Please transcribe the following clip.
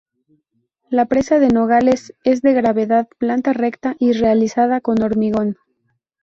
La presa de Nogales es de gravedad, planta recta y realizada con hormigón.